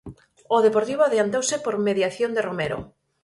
O Deportivo adiantouse por mediación de Romero.